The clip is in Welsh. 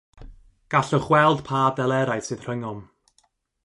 Gallwch weld pa delerau sydd rhyngom.